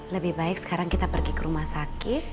lebih baik sekarang kita pergi ke rumah sakit